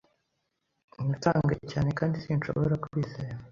Natangaye cyane kandi sinshobora kwizera